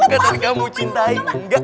katanya kamu cintai enggak